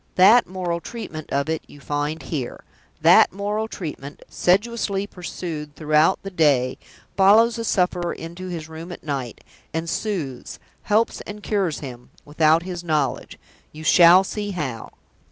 That moral treatment of it you find here. That moral treatment, sedulously pursued throughout the day, follows the sufferer into his room at night; and soothes, helps and cures him, without his own knowledge you shall see how."